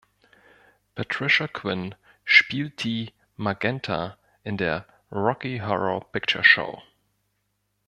Patricia Quinn spielt die "Magenta" in der "Rocky Horror Picture Show".